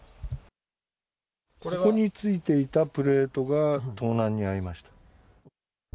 ここについていたプレートが盗難に遭いました。